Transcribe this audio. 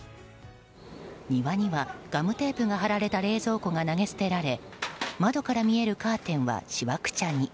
庭にはガムテープが貼られた冷蔵庫が投げ捨てられ窓から見えるカーテンはしわくちゃに。